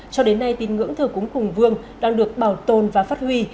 cho đến nay tín ngưỡng thờ cúng hùng vương đang được bảo tồn và phát huy